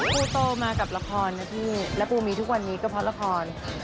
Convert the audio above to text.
ปูโตมากับละครนะพี่และปูมีทุกวันนี้ก็เพราะละคร